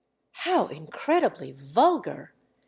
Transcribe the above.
"How incredibly vulgar!"